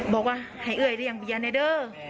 บอกว่าให้เอ้ยเลี่ยงเบียร์ในเด้อ